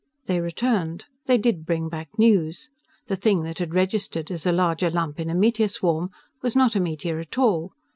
They returned. They did bring back news. The thing that had registered as a larger lump in a meteor swarm was not a meteor at all.